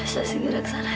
saya sendiri raksasa